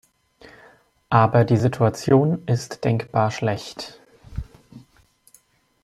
Aber die Situation ist denkbar schlecht.